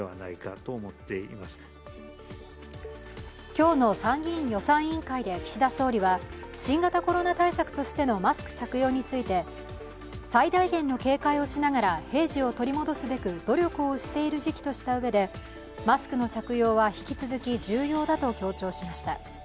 今日の参議院予算委員会で岸田総理は新型コロナ対策としてのマスク着用について最大限の警戒をしながら平時を取り戻すべく努力をしている時期としたうえでマスクの着用は引き続き重要だと強調しました。